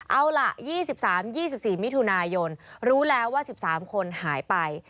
เอาล่ะ๒๓๒๔มิถุนายนรู้แล้วว่า๑๓คนหายไป